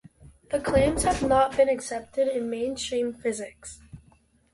The claims have not been accepted in mainstream physics.